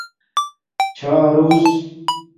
چھارُوس